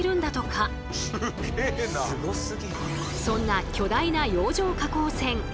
そんな巨大な洋上加工船。